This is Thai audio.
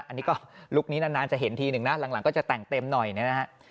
อันนี้ก็ลุคนี้นานจะเห็นทีหนึ่งนะหลังก็จะแต่งเต็มหน่อยเนี่ยนะฮะ